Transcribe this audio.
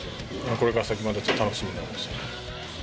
これから先また楽しみになりました。